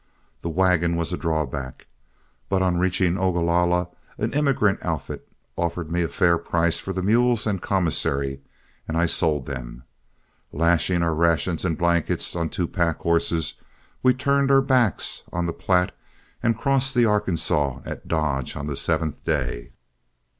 The wagon was a drawback, but on reaching Ogalalla, an emigrant outfit offered me a fair price for the mules and commissary, and I sold them. Lashing our rations and blankets on two pack horses, we turned our backs on the Platte and crossed the Arkansaw at Dodge on the seventh day.